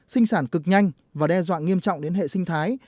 sinh sản cực nhanh và đe dọa nghiêm trọng đến hệ sinh thái